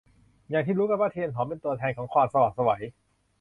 อย่างที่รู้กันว่า เทียนหอม เป็นตัวแทนของความสว่างไสว